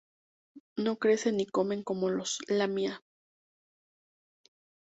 No crecen ni comen como los lamia.